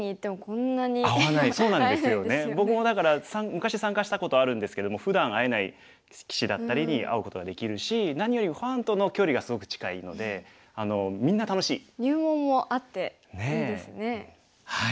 昔参加したことあるんですけれどもふだん会えない棋士だったりに会うことができるし何よりもファンとの距離がすごく近いのでみんな楽しい！